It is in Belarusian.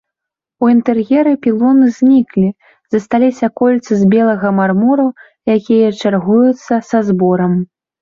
У інтэр'еры пілоны зніклі, засталіся кольцы з белага мармуру, якія чаргуюцца са зборам.